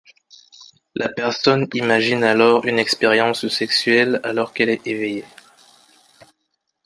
La personne imagine alors une expérience sexuelle alors qu'elle est éveillée.